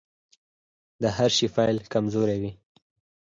د هر شي پيل کمزوری وي .